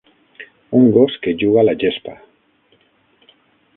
Un gos que juga a la gespa